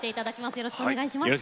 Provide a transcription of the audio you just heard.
よろしくお願いします。